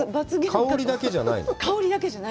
香りだけじゃない？